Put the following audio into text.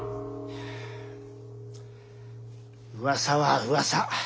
・うわさはうわさ。